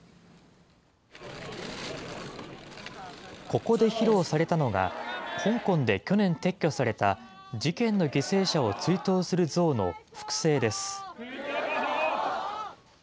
ここで披露されたのが、香港で去年撤去された、事件の犠牲者を追悼する像の複製です。